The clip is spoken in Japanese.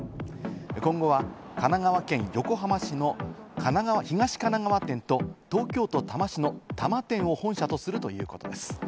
今後は神奈川県横浜市の東神奈川店と東京都多摩市の多摩店を本社とするということです。